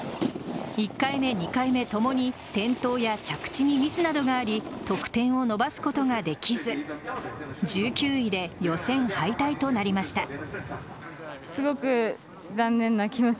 １回目、２回目ともに転倒や着地にミスなどがあり得点を伸ばすことができず１９位で予選敗退となりました。